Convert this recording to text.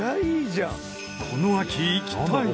この秋行きたい！